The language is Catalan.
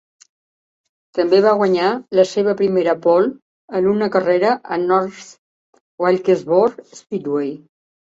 També va guanyar la seva primera pole en una carrera a North Wilkesboro Speedway.